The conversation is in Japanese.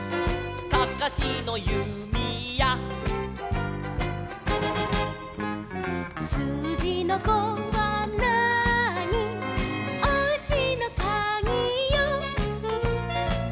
「かかしのゆみや」「すうじの５はなーに」「おうちのかぎよ」